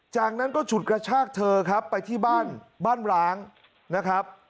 จากนั้นก็ฉุดกระชากเธอครับไปที่บ้านบ้านร้างนะครับ